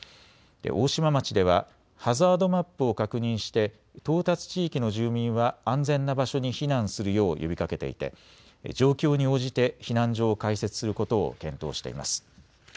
大島町ではハザードマップを確認して到達地域の住民は安全な場所に避難するよう呼びかけていて状況に応じて避難所を開設することを検討しています。